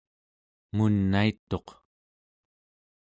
munaituq